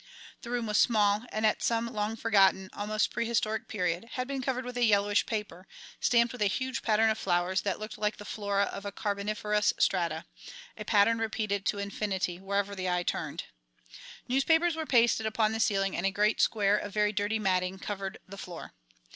The room was small, and at some long forgotten, almost prehistoric period had been covered with a yellowish paper, stamped with a huge pattern of flowers that looked like the flora of a carboniferous strata, a pattern repeated to infinity wherever the eye turned. Newspapers were pasted upon the ceiling and a great square of very dirty matting covered the floor.